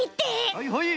はいはい。